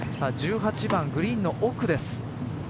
１８番グリーンの奥です。